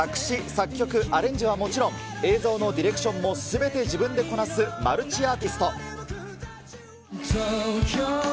作詞、作曲、アレンジはもちろん、映像のディレクションもすべて自分でこなすマルチアーティスト。